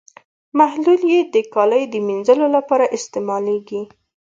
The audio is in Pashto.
محلول یې د کالیو د مینځلو لپاره استعمالیږي.